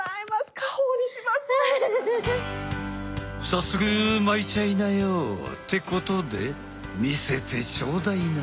早速巻いちゃいなよってことで見せてちょうだいな。